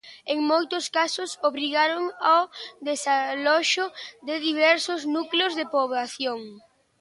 En moitos casos obrigaron ao desaloxo de diversos núcleos de poboación.